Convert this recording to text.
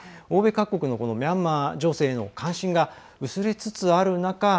欧米各国のミャンマー情勢への関心が薄れつつある中